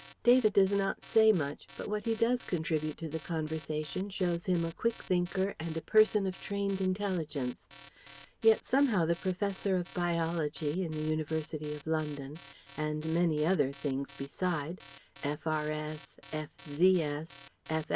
David does not say much, but what he does contribute to the conversation shows him a quick thinker and a person of trained intelligence. Yet somehow the professor of Biology in the University of London and many other things beside F.R.S., F.Z.